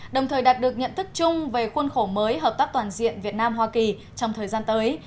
đồng thời đạt được nhận thức chung về khuôn khổ mới hợp tác toàn diện việt nam hoa kỳ trong thời gian tới